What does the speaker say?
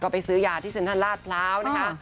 ไปซื้อยาที่เซ็นทรัลลาดพร้าวนะคะ